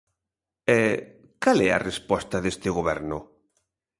E ¿cal é a resposta deste Goberno?